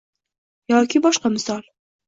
Yoki boshqa misol